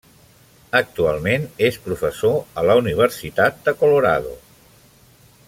Actualment és professor a la Universitat de Colorado.